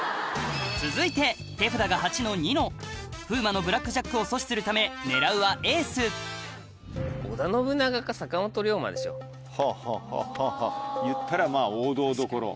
続いて手札が８のニノ風磨のブラックジャックを阻止するため狙うはエースいったらまぁ王道どころ。